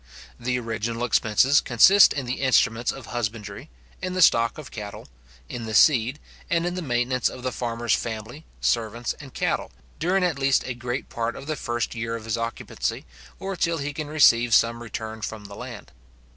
The original expenses consist in the instruments of husbandry, in the stock of cattle, in the seed, and in the maintenance of the farmer's family, servants, and cattle, during at least a great part of the first year of his occupancy, or till he can receive some return from the land.